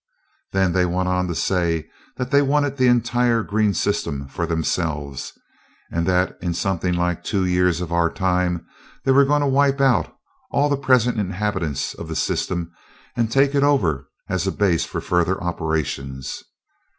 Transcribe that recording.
Then they went on to say that they wanted the entire green system for themselves, and that in something like two years of our time they were going to wipe out all the present inhabitants of the system and take it over, as a base for further operations.